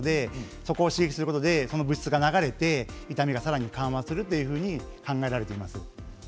そこを刺激することで物質が流れて痛みがさらに緩和すると考えられています。